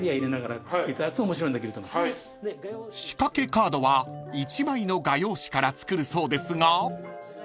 カードは１枚の画用紙から作るそうですが］